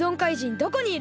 どこにいる？